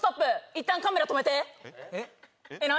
いったんカメラ止めてえっ何？